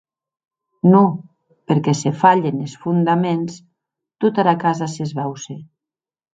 Non, perque se falhen es fondaments, tota era casa s'esbauce.